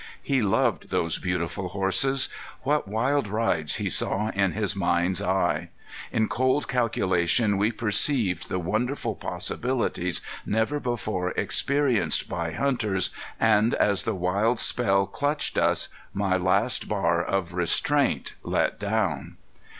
He loved those beautiful horses. What wild rides he saw in his mind's eye! In cold calculation we perceived the wonderful possibilities never before experienced by hunters, and as the wild spell clutched us my last bar of restraint let down.